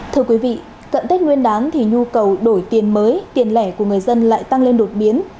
thưa quý vị cận tết nguyên đán thì nhu cầu đổi tiền mới tiền lẻ của người dân lại tăng lên đột biến